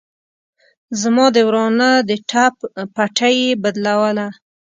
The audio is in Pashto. زما د ورانه د ټپ پټۍ يې بدلوله.